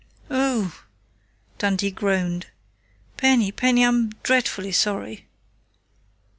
"Oh!" Dundee groaned. "Penny, Penny! I'm dreadfully sorry."